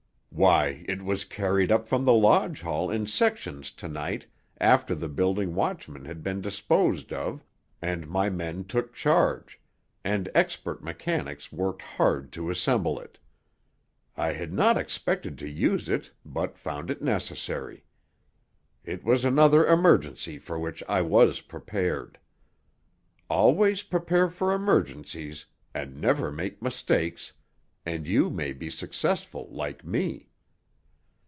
Why, it was carried up from the lodge hall in sections to night after the building watchmen had been disposed of and my men took charge, and expert mechanics worked hard to assemble it. I had not expected to use it, but found it necessary. It was another emergency for which I was prepared. Always prepare for emergencies and never make mistakes, and you may be successful, like me.